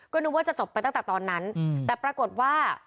ก็นึกว่าจะจบไปตั้งแต่ตอนนั้นแต่ปรากฏว่า